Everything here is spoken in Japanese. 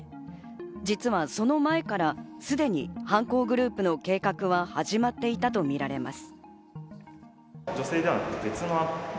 実はその前からすでに犯行グループの計画は始まっていたとみられます。